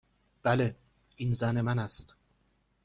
بله. این زن من است.